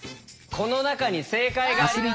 この中に正解があります。